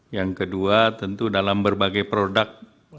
yang kedua tentu dalam berbagai produk